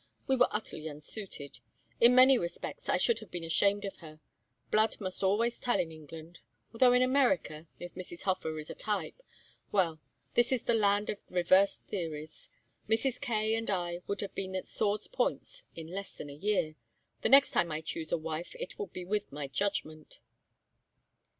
We were utterly unsuited. In many respects I should have been ashamed of her. Blood must always tell in England although in America if Mrs. Hofer is a type well, this is the land of reversed theories. Mrs. Kaye and I would have been at swords' points in less than a year. The next time I choose a wife it will be with my judgment."